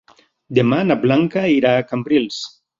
Demà na Blanca irà a Cambrils.